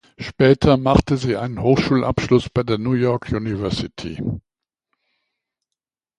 Später machte sie einen Hochschulabschluss bei der New York University.